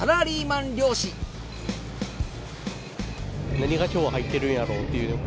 何が今日は入ってるんやろうっていう。